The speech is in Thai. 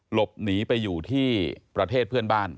หลบหนีไปอยู่ที่ประเทศเพื่อนบ้าน